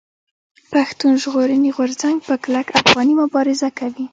پښتون ژغورني غورځنګ په کلک افغاني مبارزه کوي.